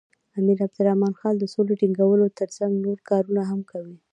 امیر عبدالرحمن خان د سولې ټینګولو تر څنګ نور کارونه هم وکړل.